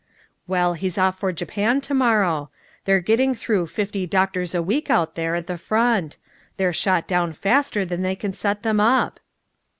"Well, he's off for Japan to morrow. They're getting through fifty doctors a week out there at the front. They're shot down faster than they can set them up."